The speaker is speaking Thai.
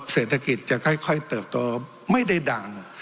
เศรษฐกิจจะค่อยเติบโตไม่ได้ดัง